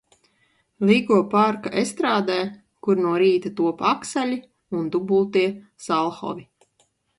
Līgo parka estrādē, kur no rīta top akseļi un dubultie salhovi.